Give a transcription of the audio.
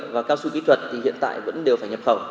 và cao su kỹ thuật thì hiện tại vẫn đều phải nhập khẩu